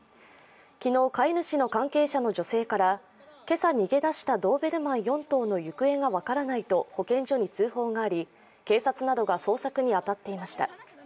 昨日、飼い主の関係者の女性から今朝逃げ出したドーベルマン４頭の行方が分からないと行方が分からないと保健所に通報があり、警察などが捜索に当たっていました。